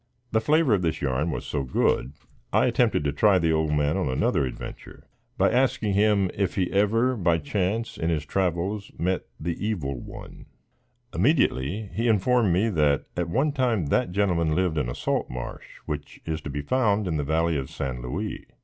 The flavor of this yarn was so good, I attempted to try the old man on another adventure, by asking him if he ever, by chance, in his travels, met the Evil One. Immediately, he informed me that at one time, that gentleman lived in a salt marsh, which is to be found in the valley of San Louis.